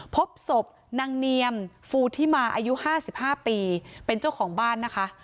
พบศพนางเนียมฟูทิมาอายุ๕๕ปีเป็นเจ้าของบ้านนะคะ